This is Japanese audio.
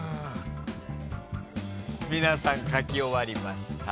皆さん書き終わりました。